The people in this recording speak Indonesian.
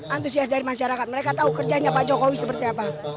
antusias dari masyarakat mereka tahu kerjanya pak jokowi seperti apa